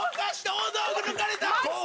大道具抜かれた！